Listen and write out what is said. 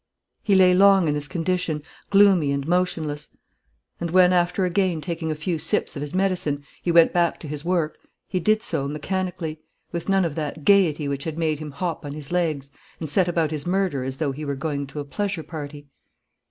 He lay long in this condition, gloomy and motionless; and when, after again taking a few sips of his medicine, he went back to his work, he did so mechanically, with none of that gayety which had made him hop on his legs and set about his murder as though he were going to a pleasure party.